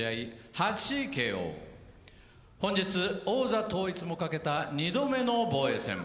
８ＫＯ、本日、王座統一もかけた２度目の防衛戦。